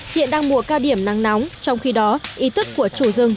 hiện đang mùa cao điểm nắng nóng trong khi đó ý thức của chủ rừng